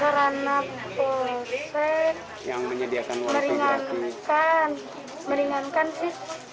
sarana polsek meringankan meringankan sih